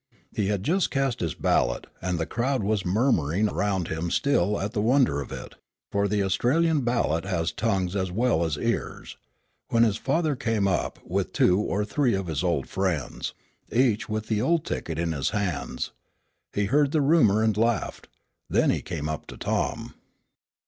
He had just cast his ballot, and the crowd was murmuring around him still at the wonder of it for the Australian ballot has tongues as well as ears when his father came up, with two or three of his old friends, each with the old ticket in his hands. He heard the rumor and laughed. Then he came up to Tom.